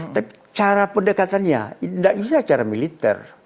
tapi cara pendekatannya tidak bisa secara militer